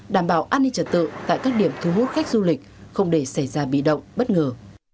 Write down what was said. đảm bảo an ninh trật tự tại các điểm thu hút khách du lịch không để xảy ra bị động bất ngờ